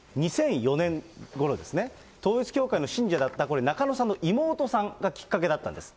２００４年ごろですね、統一教会の信者だった、これ、中野さんの妹さんがきっかけだったんです。